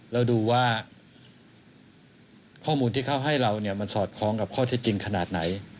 และดูว่าข้อมูลที่เขาให้เราสอดคล้องขนาดไหน